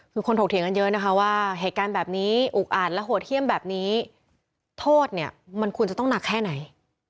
คือคนถกเถียงกันเยอะนะคะว่าเหตุการณ์แบบนี้อุกอ่านและโหดเยี่ยมแบบนี้โทษเนี่ยมันควรจะต้องหนักแค่ไหน